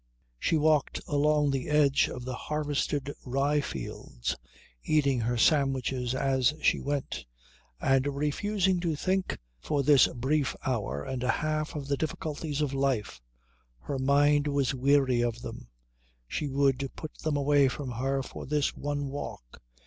She walked along the edge of the harvested rye fields eating her sandwiches as she went, and refusing to think for this brief hour and a half of the difficulties of life. Her mind was weary of them. She would put them away from her for this one walk.